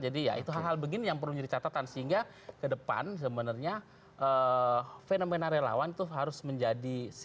jadi ya itu hal hal begini yang perlu dicatatkan sehingga ke depan sebenarnya fenomena relawan itu harus menjadi